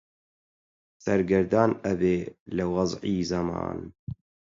سەرگەردان ئەبێ لە وەزعی زەمان